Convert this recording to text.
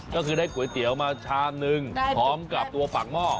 ก็คือได้ก๋วยเตี๋ยวมาชามนึงพร้อมกับตัวปากหม้อ